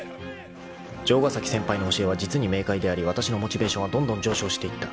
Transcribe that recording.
［城ヶ崎先輩の教えは実に明快でありわたしのモチベーションはどんどん上昇していった］